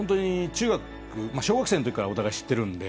小学生のときからお互い知っているので。